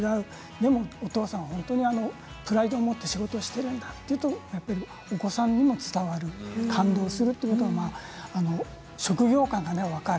でもお父さんは本当にプライドを持って仕事をしているんだとそれはお子さんに伝わる感動する職業観が分かる。